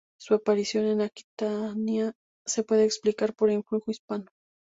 Su aparición en Aquitania se puede explicar por influjo hispano.